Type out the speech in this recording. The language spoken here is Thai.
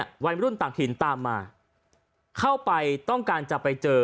ใครร่งต่างทิ้งตามมาเข้าไปต้องการจับให้เจอ